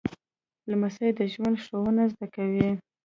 لمسی د ژوند ښوونه زده کوي.